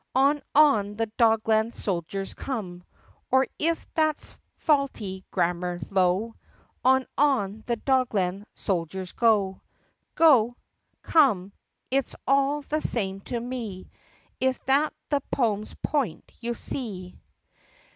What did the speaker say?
On, on the Do gland soldiers cornel Or, if that's faulty grammar, lo! On, on the Dogland soldiers go! "Go," "come" — it 's all the same to me If that the poem's point you see.